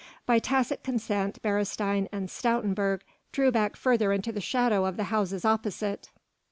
By tacit consent Beresteyn and Stoutenburg drew back further into the shadow of the houses opposite.